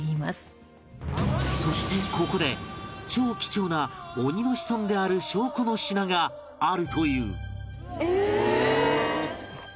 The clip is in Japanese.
そしてここで超貴重な鬼の子孫である証拠の品があるという